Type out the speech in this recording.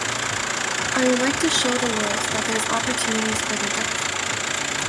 I would like to show the world that there's opportunities for the deaf.